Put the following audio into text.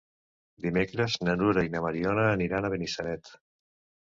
Dimecres na Nura i na Mariona aniran a Benissanet.